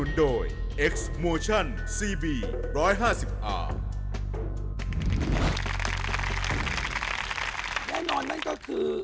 แน่นอนนั่นก็คือ